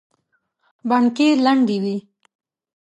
بڼکې لندې وې.